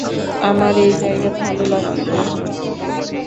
আমার এই জায়গা ভালো লাগছে না।